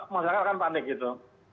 masyarakat akan panik gitu